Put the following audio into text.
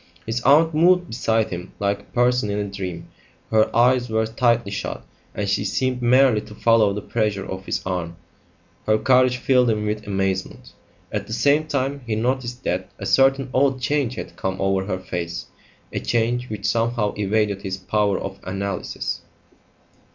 His aunt moved beside him like a person in a dream. Her eyes were tightly shut, and she seemed merely to follow the pressure of his arm. Her courage filled him with amazement. At the same time he noticed that a certain odd change had come over her face, a change which somehow evaded his power of analysis.